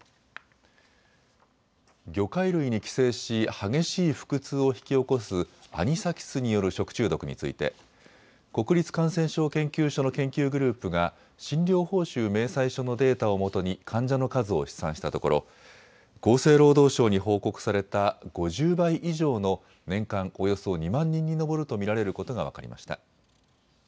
魚介類に寄生し激しい腹痛を引き起こすアニサキスによる食中毒について、国立感染症研究所の研究グループが診療報酬明細書のデータをもとに患者の数を試算したところ厚生労働省に報告された５０倍以上の年間およそ２万人に上ると見られることが分かりました。